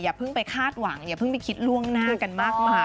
เพิ่งไปคาดหวังอย่าเพิ่งไปคิดล่วงหน้ากันมากมาย